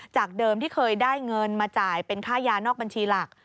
จากเดิมที่เคยได้เงินมาจ่ายเป็นค่ายานอกบัญชีหลัก